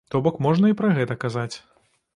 То-бок можна і пра гэта казаць.